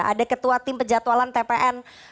ada ketua tim pejatualan tpn